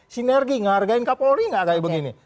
sinergi ngargain kapolri nggak kayak begini